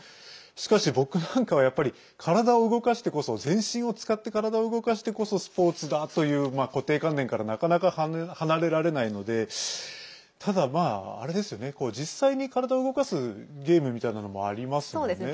しかし、僕なんかはやっぱり体を動かしてこそ全身を使って体を動かしてこそスポーツだという固定観念からなかなか離れられないのでただ実際に体を動かすゲームもありますよね。